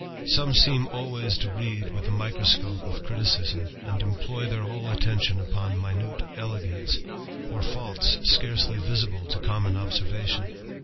Some seem always to read with the microscope of criticism, md employ their whole attention upon minute elegance, yt faults scarcely visible to common observation.